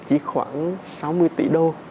chỉ khoảng sáu mươi tỷ đô